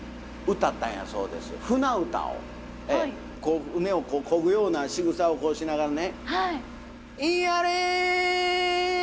こう舟を漕ぐようなしぐさをしながらね。